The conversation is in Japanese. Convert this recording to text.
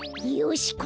よし！